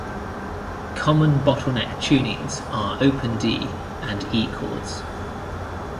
Common bottleneck tunings are open D and E chords.